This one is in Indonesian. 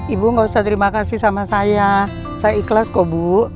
ibu gak usah terima kasih sama saya saya ikhlas kok bu